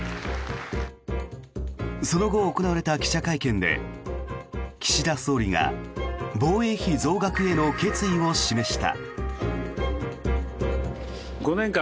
その後行われた記者会見で岸田総理が防衛費増額への決意を示した。